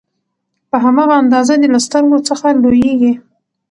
په هماغه اندازه دې له سترګو څخه لوييږي